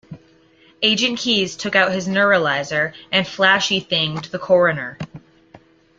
Agent Keys took out his neuralizer and flashy-thinged the coroner.